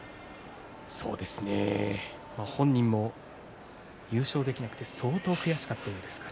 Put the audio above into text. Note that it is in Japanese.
本人も優勝できなくて相当悔しかったようですから。